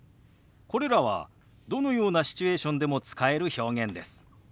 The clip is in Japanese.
これらはどのようなシチュエーションでも使える表現です。